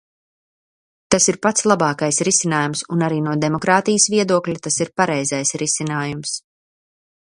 Tas ir pats labākais risinājums, un arī no demokrātijas viedokļa tas ir pareizais risinājums.